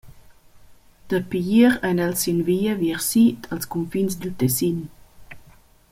Dapi ier ein els sin via viers sid als cunfins dil Tessin.